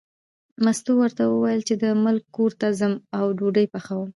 مستو ورته وویل چې د ملک کور ته ځم او ډوډۍ پخوم.